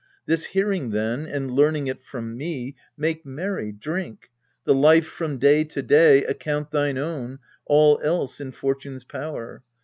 This hearing then, and learning it from me, Make merry, drink : the life from day to day Account thine own, all else in Fortune's power.